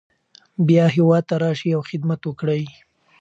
بیا هیواد ته راشئ او خدمت وکړئ.